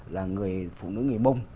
là người phụ nữ người mông